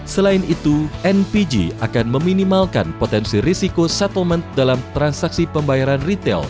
selain itu npg akan meminimalkan potensi risiko settlement dalam transaksi pembayaran retail